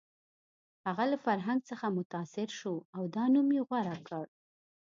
هغه له فرهنګ څخه متاثر شو او دا نوم یې غوره کړ